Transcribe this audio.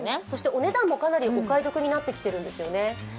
そしてお値段もかなりお買い得になってきてるんです。